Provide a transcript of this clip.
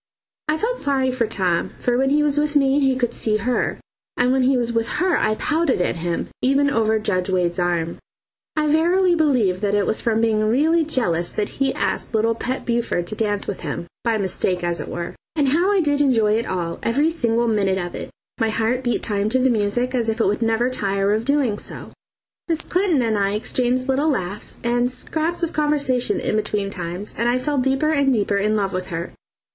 I felt sorry for Tom, for when he was with me he could see her, and when he was with her I pouted at him, even over Judge Wade's arm. I verily believe it was from being really jealous that he asked little Pet Buford to dance with him by mistake as it were. And how I did enjoy it all, every single minute of it! My heart beat time to the music as if it would never tire of doing so. Miss Clinton and I exchanged little laughs and scraps of conversation in between times, and I fell deeper and deeper in love with her.